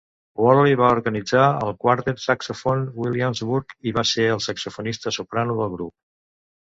Worley va organitzar el Quartet Saxòfon Williamsburg i va ser el saxofonista soprano del grup.